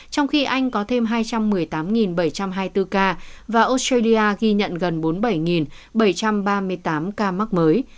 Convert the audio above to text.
trong khi anh có thêm hai trăm một mươi tám bảy trăm hai mươi bốn ca và australia ghi nhận gần bốn mươi bảy bảy trăm ba mươi tám ca mắc mới